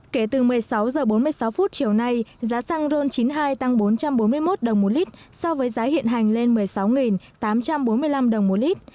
kể từ một mươi sáu h bốn mươi sáu phút chiều nay giá xăng ron chín mươi hai tăng bốn trăm bốn mươi một đồng một lít so với giá hiện hành lên một mươi sáu tám trăm bốn mươi năm đồng một lít